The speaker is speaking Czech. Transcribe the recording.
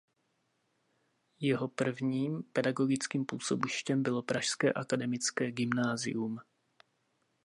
Jeho prvním pedagogickým působištěm bylo pražské akademické gymnázium.